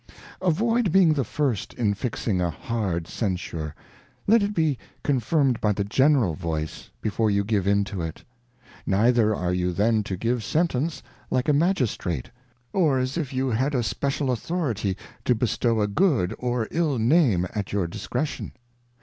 Avoid being the first in fixing a hard Censure, let it be con firmed by the general Voice, before you give into it; Neither are you then to give Sentence like a Magistrate, or as if you had a special Authority to bestow a good or ill Name at your dis cretion.